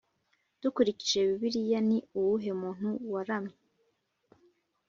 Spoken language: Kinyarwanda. Dukurikije Bibiliya ni uwuhe muntu waramye